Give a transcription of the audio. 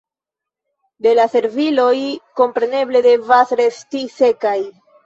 Do la serviloj, kompreneble, devas resti sekaj.